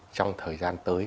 trong thời gian tới